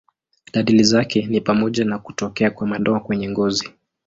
Dalili zake ni pamoja na kutokea kwa madoa kwenye ngozi.